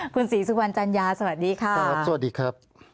คุณศรีสุวรรณจัญญาสวัสดีค่ะสวัสดีครับสวัสดีครับ